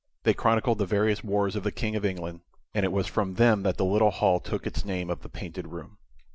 They chronicled the various wars of the King of England, and it was from them that the little hall took its name of the Painted Room.